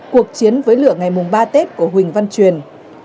cuộc chiến với lửa ngày mùng ba tết của huỳnh văn truyền